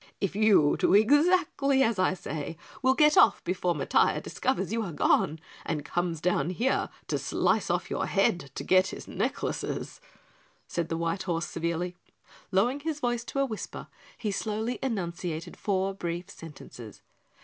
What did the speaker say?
"If you do exactly as I say, we'll get off before Matiah discovers you are gone and comes down here to slice off your head to get his necklaces," said the white horse severely. Lowering his voice to a whisper, he slowly enunciated four brief sentences.